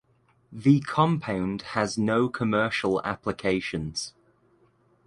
The compound has no commercial applications.